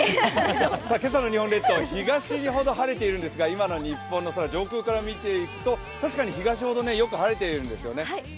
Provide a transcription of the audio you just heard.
今朝の日本列島、東ほど晴れているんですが、今の日本の空、上空から見ていくと、確かに東ほどよく晴れてるんですよね。